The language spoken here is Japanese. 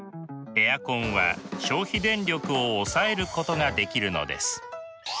エアコンは消費電力を抑えることができるのです。